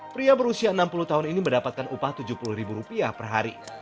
pria berusia enam puluh tahun ini mendapatkan upah tujuh puluh ribu rupiah per hari